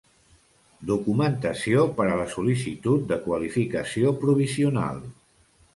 Documentació per a la sol·licitud de qualificació provisional.